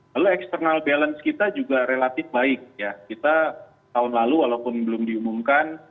lalu external balance kita juga relatif baik ya kita tahun lalu walaupun belum diumumkan